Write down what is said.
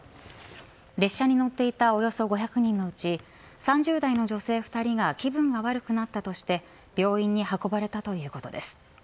列車に乗っていたおよそ５００人のうち３０代の女性２人が気分が悪くなったとして病院に運ばれたということです。